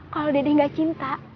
kalau dede gak cinta